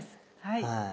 はい。